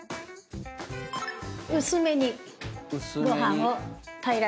薄めにご飯を平らにならして。